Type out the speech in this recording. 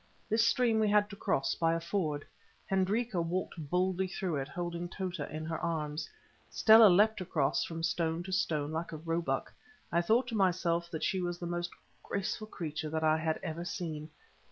This stream we had to cross by a ford. Hendrika walked boldly through it, holding Tota in her arms. Stella leapt across from stone to stone like a roebuck; I thought to myself that she was the most graceful creature that I had ever seen.